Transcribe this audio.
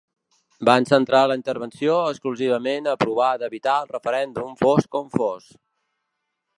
Van centrar la intervenció exclusivament a provar d’evitar el referèndum fos com fos.